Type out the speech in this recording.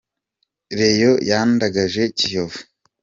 Reyo yandagaje Kiyovu